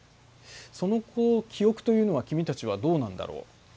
その記憶というのは君たちはどうなんだろう？